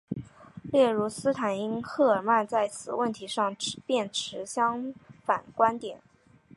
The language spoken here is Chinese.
例如斯坦因与赫尔曼在此问题上便持相反观点。